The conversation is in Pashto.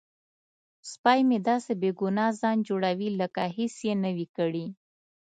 سپی مې داسې بې ګناه ځان جوړوي لکه هیڅ یې نه وي کړي.